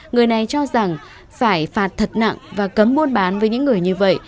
người này cho rằng phải phạt thật nặng và cấm buôn bán với những người như vậy